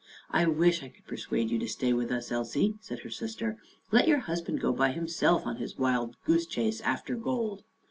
11 I wish I could persuade you to stay with us, Elsie," said her sister. " Let your husband go by himself, on his wild goose chase after gold."